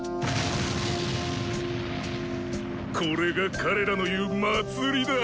これが彼らの言う「祭り」だ。